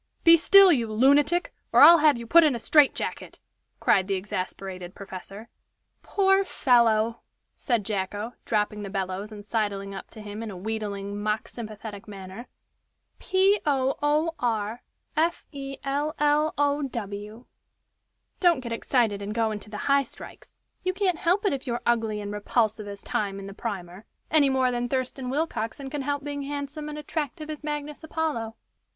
Be still, you lunatic, or I'll have you put in a strait jacket!" cried the exasperated professor. "Poor fellow!" said Jacko, dropping the bellows and sidling up to him in a wheedling, mock sympathetic manner. "P o o r f e l l o w! don't get excited and go into the highstrikes. You can't help it if you're ugly and repulsive as Time in the Primer, any more than Thurston Willcoxen can help being handsome and attractive as Magnus Apollo."